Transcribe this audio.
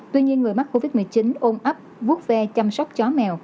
tuy nhiên người mắc covid một mươi chín ôm ấp vút ve chăm sóc chó mèo